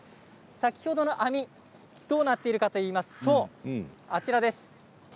先ほどの網どうなっているかといいますとあちらです。